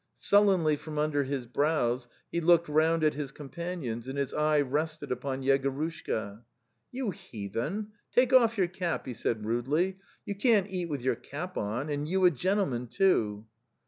Sullenly from under his brows he looked round at his companions and his eye rested upon Yegorushka. 'You heathen, take off your cap," he said rudely. 'You can't eat with your cap on, and you a gentle man too!"